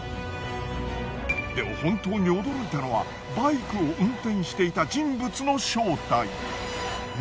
でも本当に驚いたのはバイクを運転していた人物の正体。